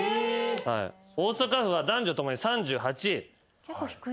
大阪府は男女共に３８位。